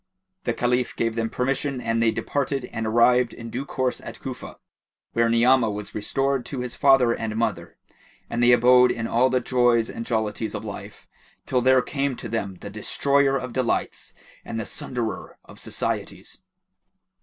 The Caliph gave them permission and they departed and arrived in due course at Cufa, where Ni'amah was restored to his father and mother, and they abode in all the joys and jollities of life, till there came to them the Destroyer of delights and the Sunderer of societies.